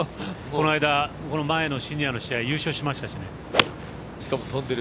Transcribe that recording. この前のシニアの試合優勝しましたしね。